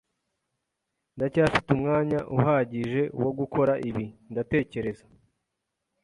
Ndacyafite umwanya uhagije wo gukora ibi, ndatekereza.